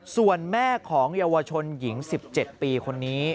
ส่วนแม่ของเยาวชนหญิง๑๗ปีคนนี้